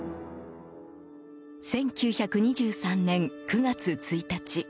１９２３年９月１日。